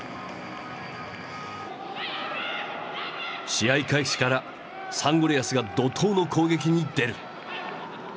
試合開始からサンゴリアスが怒とうの攻撃に出る。